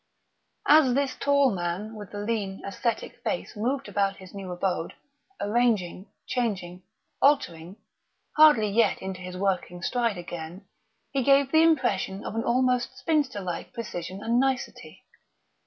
As this tall man with the lean, ascetic face moved about his new abode, arranging, changing, altering, hardly yet into his working stride again, he gave the impression of almost spinster like precision and nicety.